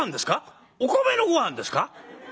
お米のごはんですか？